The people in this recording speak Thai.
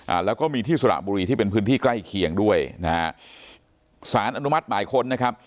อ่าแล้วก็มีที่สระบุรีที่เป็นพื้นที่ใกล้เคียงด้วยนะฮะสารอนุมัติหมายค้นนะครับ